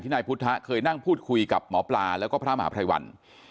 นายพุทธะเคยนั่งพูดคุยกับหมอปลาแล้วก็พระมหาภัยวัน